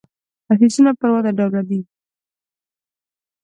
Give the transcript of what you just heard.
افیکسونه پر وده ډوله دي.